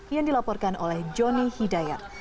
yang dilaporkan oleh jonny hidayat